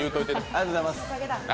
ありがとうございます。